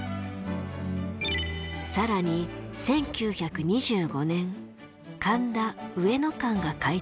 更に１９２５年神田上野間が開通。